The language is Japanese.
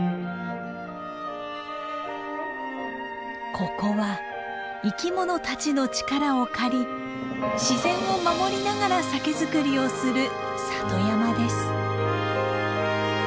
ここは生きものたちの力を借り自然を守りながら酒造りをする里山です。